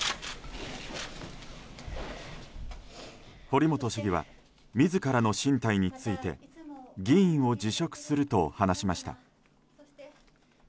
堀本市議は自らの進退について議員を辞職すると話しました。